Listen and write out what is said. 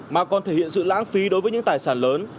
mà còn thể hiện sự lãng phí đối với những tài sản lớn